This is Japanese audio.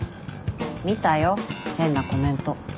見たよ変なコメント。